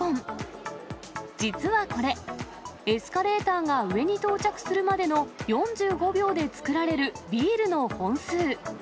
実はこれ、エスカレーターが上に到着するまでの４５秒でつくられるビールの本数。